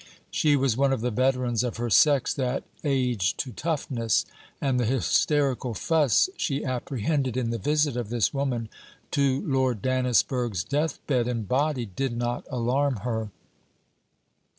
She was one of the veterans of her sex that age to toughness; and the 'hysterical fuss' she apprehended in the visit of this woman to Lord Dannisburgh's death bed and body, did not alarm her.